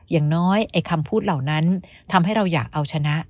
อย่างน้อยไอ้คำพูดเหล่านั้นทำให้เราอยากเอาชนะ